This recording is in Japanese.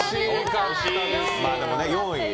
でも、４位。